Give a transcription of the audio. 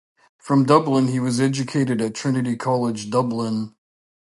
From Dublin he was educated at Trinity College Dublin.